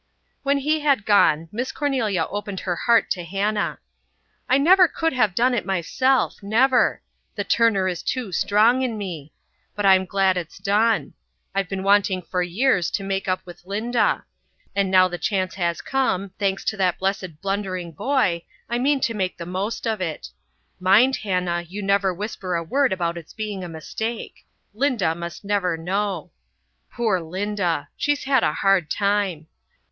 When he had gone Miss Cornelia opened her heart to Hannah. "I never could have done it myself never; the Turner is too strong in me. But I'm glad it is done. I've been wanting for years to make up with Linda. And now the chance has come, thanks to that blessed blundering boy, I mean to make the most of it. Mind, Hannah, you never whisper a word about its being a mistake. Linda must never know. Poor Linda! She's had a hard time.